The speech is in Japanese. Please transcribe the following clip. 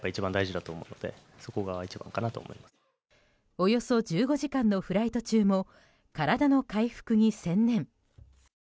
およそ１５時間のフライト中も体の回復に専念。